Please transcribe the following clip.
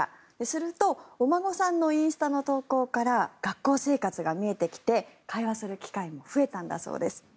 するとお孫さんのインスタの投稿から学校生活が見えてきて会話する機会も増えたんだそうです。